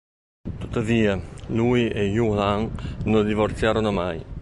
Tuttavia, lui e Hui-lan non divorziarono mai.